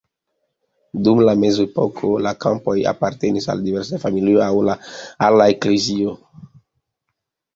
Dum la mezepoko la kampoj apartenis al diversaj familioj aŭ al la eklezio.